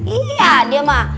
iya dia mah